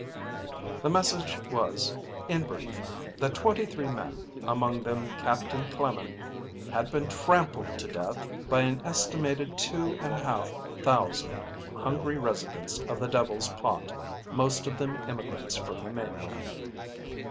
The message was, in brief, that twenty three men, among them Captain Clemen, had been trampled to death by an estimated two and a half thousand hungry residents of the Devil's Pot, most of them immigrants from the mainland.